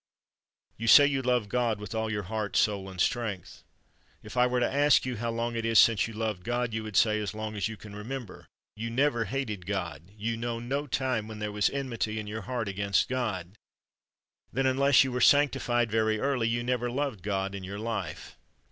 You say you love God with all your heart, soul, and strength. If I were to ask you how long it 188 WHITEFIELD is since you loved God, you would say, As long as you can remember ; you never hated God, you know no time when there was enmity in your heart against God. Then, unless you were sanc tified very early, you never loved God in your life.